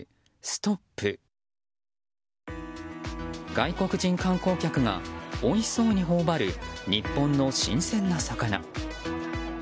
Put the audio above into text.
外国人観光客がおいしそうに頬張る日本の新鮮な魚。